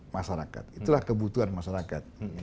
masyarakat itulah kebutuhan masyarakat